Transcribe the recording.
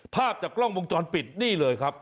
ภาพจากกล้องวงจรปิดนี่เลยครับ